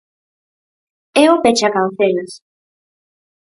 É o pechacancelas.